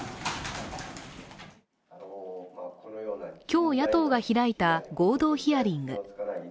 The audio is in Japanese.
今日、野党が開いた合同ヒアリング。